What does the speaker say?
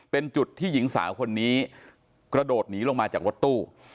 เป็นจุดที่หญิงสาวคนนี้กระโดดหนีลงมาจากรถตู้